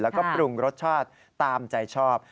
แล้วก็ปรุงรสชาติตามใจชอบ